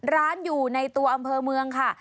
ร้านอยู่ในตัวอำเภอเมืองค่ะ